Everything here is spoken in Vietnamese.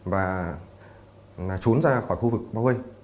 và trốn ra khỏi khu vực bao gây